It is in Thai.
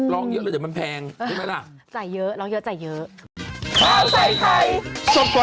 ร้องเยอะแล้วเดี๋ยวมันแพงใช่ไหมล่ะ